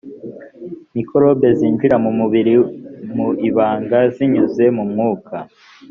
mikorobe zinjira mu mubiri mu ibanga zinyuze mu mwuka